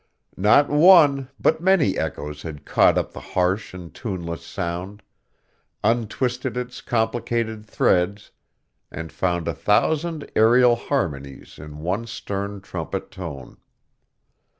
Not one, but many echoes had caught up the harsh and tuneless sound, untwisted its complicated threads, and found a thousand aerial harmonies in one stern trumpet tone.